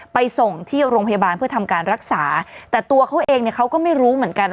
ไปส่งที่โรงพยาบาลเพื่อทำการรักษาแต่ตัวเขาเองเนี่ยเขาก็ไม่รู้เหมือนกัน